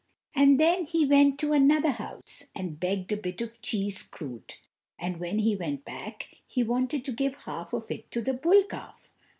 And he went to another house and begged a bit of cheese crud, and when he went back he wanted to give half of it to the bull calf.